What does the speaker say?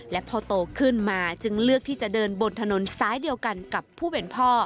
และพอโตขึ้นมาจึงเลือกที่จะเดินบนถนนซ้ายเดียวกันกับผู้เป็นพ่อ